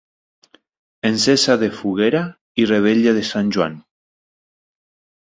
Encesa de foguera i revetlla de Sant Joan.